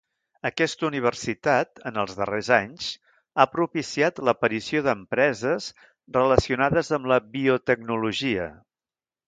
Aquesta universitat, en els darrers anys ha propiciat l'aparició d'empreses relacionades amb la biotecnologia.